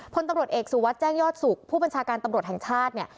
พลตำรวจเอกสุวัสดิ์แจ้งยอดสุขผู้บัญชาการตำรวจแห่งชาติเนี่ย